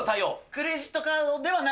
クレジットカードではない。